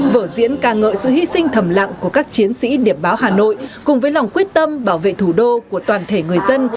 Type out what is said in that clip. vở diễn ca ngợi sự hy sinh thầm lặng của các chiến sĩ điệp báo hà nội cùng với lòng quyết tâm bảo vệ thủ đô của toàn thể người dân